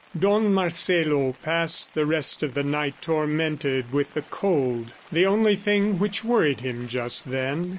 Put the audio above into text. Don Marcelo passed the rest of the night tormented with the cold the only thing which worried him just then.